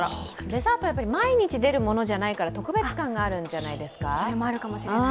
デザートは毎日出るものじゃないから特別感があるんじゃないですか？